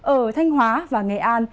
ở thanh hóa và nghệ an